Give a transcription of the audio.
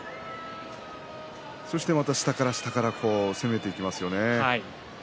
そして、また下から下から攻めていきますよね。